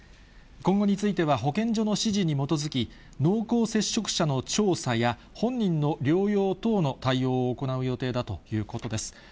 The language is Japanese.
今後については保健所の指示に基づき、濃厚接触者の調査や、本人の療養等の対応を行う予定だということです。